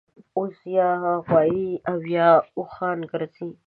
اوس یا غوایي اویا اوښان ګرځي